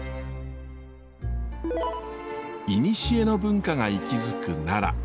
いにしえの文化が息づく奈良。